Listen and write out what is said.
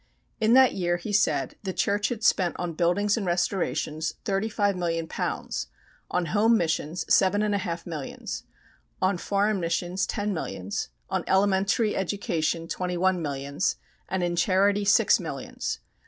In that year, he said, the Church had spent on buildings and restorations thirty five million pounds; on home missions, seven and a half millions; on foreign missions, ten millions; on elementary education, twenty one millions; and in charity, six millions.